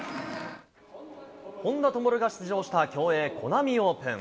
本多灯が出場した競泳コナミオープン。